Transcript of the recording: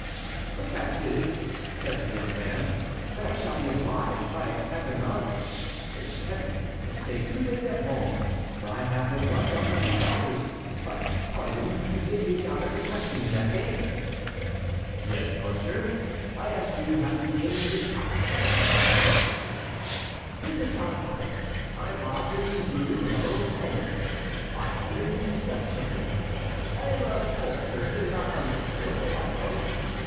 "The fact is," said the young man, "that I shall be obliged, like Epaminondas the Theban, to stay two days at home, for I have but one doublet and trousers. But, pardon, you did me the honor to question me, I think?" "Yes, monsieur, I asked you how you came to this house?" "M. le Comte, this is how it happened; I lodge in the Rue Beauheillis, 502 steps from here. I am a poor surgeon, not unskilful, I hope."